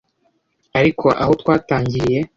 Ariko aho twatangiriye